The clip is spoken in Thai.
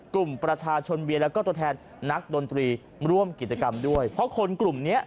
กลุ่มประชาชนเวียนแล้วก็ตัวแทนนักดนตรีร่วมกิจกรรมด้วยเพราะคนกลุ่มเนี้ย